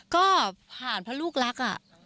ก็ผ่านเพราะลูกรัก